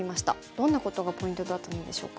どんなことがポイントだったのでしょうか。